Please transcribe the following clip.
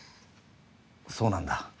そうなんだ。